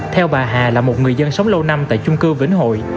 theo bà hà là một người dân sống lâu năm tại chung cư vĩnh hội